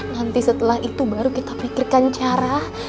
nanti setelah itu baru kita pikirkan cara